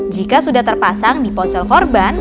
jika sudah terpasang di ponsel korban